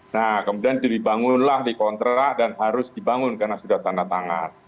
nah kemudian dibangunlah di kontrak dan harus dibangun karena sudah tanda tangan